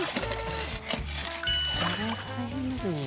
これは大変ですねえ。